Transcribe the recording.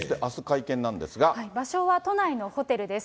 さあ、場所は都内のホテルです。